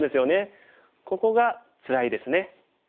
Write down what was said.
ここがつらいですね。